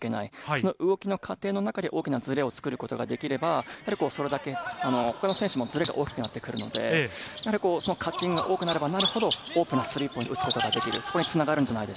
その動きの過程の中で大きなズレを作ることができれば、それだけ他の選手もズレが大きくなってくるので、そのカッティングが多くなればなるほど、大きなスリーポイントをつながることができます。